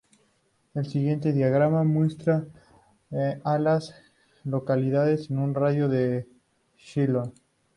El siguiente diagrama muestra a las localidades en un radio de de Shiloh.